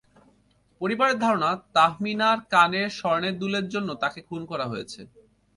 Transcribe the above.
পরিবারের ধারণা, তাহমিনার কানের স্বর্ণের দুলের জন্য তাকে খুন করা হয়েছে।